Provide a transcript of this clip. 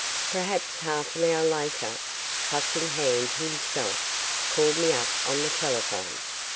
Perhaps half an hour later, Clutching Hand himself called me up on the telephone.